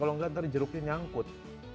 kalau enggak nanti jeruknya nyangkut